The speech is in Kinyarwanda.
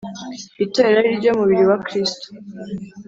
Itorero ariryo mubiri wa kristo